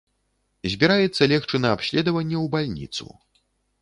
Збіраецца легчы на абследаванне ў бальніцу.